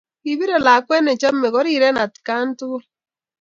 Ki pirey lakwet ne chomei koriren atakan tukul.